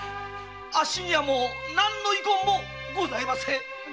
あっしにはもう何の遺恨もございません。